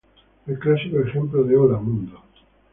El clásico ejemplo de Hola Mundo!